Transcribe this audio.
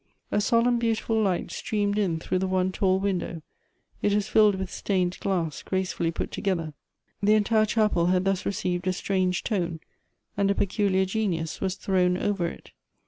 A solemn beautiful light streamed in through the one tall window. It was filled with stained glass, gracefully put together. The entire chapel had thus received a strange tone, and a peculiar genius was thrown over it.